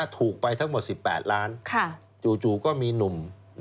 ถูกไปทั้งหมด๑๘ล้านจู่ก็มีหนุ่ม